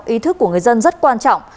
ý thức của người dân rất quan trọng